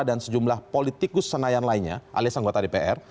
dan sejumlah politikus senayan lainnya alias anggota dpr